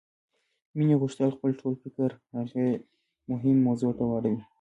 مينې غوښتل خپل ټول فکر هغې مهمې موضوع ته واړوي.